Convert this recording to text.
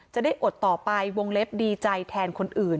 อดต่อไปวงเล็บดีใจแทนคนอื่น